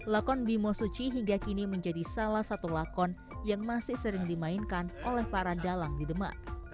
lakon bimo suci hingga kini menjadi salah satu lakon yang masih sering dimainkan oleh para dalang di demak